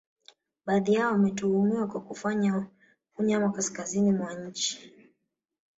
Baadhi yao wametuhumiwa kwa kufanya unyama kaskazini mwa nchi